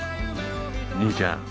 兄ちゃん。